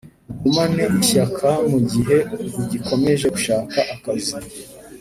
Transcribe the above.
ugumane ishyaka mu gihe ugikomeje gushaka akazi